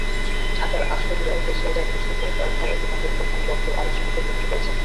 ঢাকার আশুলিয়ায় gas lighter প্রস্তুতকারক কারখানায় অগ্নিকাণ্ডের ঘটনায় দগ্ধ আরেক শ্রমিকের মৃত্যু হয়েছে।